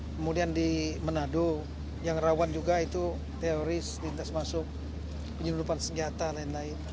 kemudian di manado yang rawan juga itu teroris lintas masuk penyelundupan senjata lain lain